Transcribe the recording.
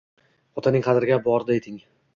Otaning qadriga borida eting